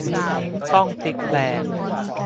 ต้องพลิกแพลง